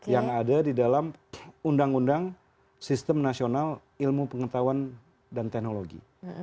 yang ada di dalam undang undang sistem nasional ilmu pengetahuan dan teknologi